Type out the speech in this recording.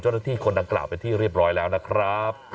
เจ้าหน้าที่คนดังกล่าวไปที่เรียบร้อยแล้วนะครับ